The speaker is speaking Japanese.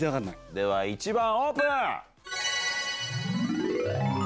では１番オープン！